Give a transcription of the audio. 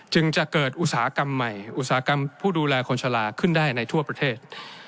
จึงจะเกิดอุตสาหกรรมใหม่อุตสาหกรรมผู้ดูแลคนชะลาขึ้นได้ในทั่วประเทศ